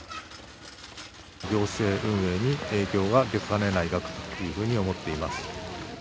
行政運営に影響が出かねない額というふうに思っています。